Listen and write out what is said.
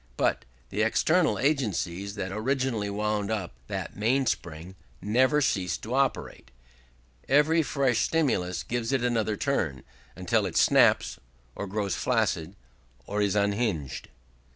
But the external agencies that originally wound up that mainspring never cease to operate; every fresh stimulus gives it another turn, until it snaps, or grows flaccid, or is unhinged.